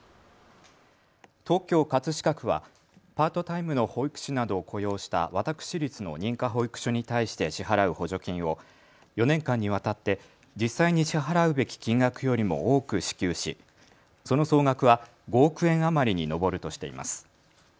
東京葛飾区はパートタイムの保育士などを雇用した私立の認可保育所に対して支払う補助金を４年間にわたって実際に支払うべき金額よりも多く支給しその総額は５億円余りに上るとしています。